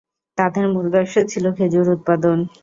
তাদের মূল ব্যবসা ছিল খেজুর উৎপাদন।